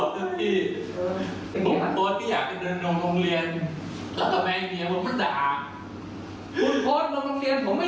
ขอใช้เป็นนามสมมติละกันเรียกว่าเนวเอกอละกันอายุ๔๓นะคะ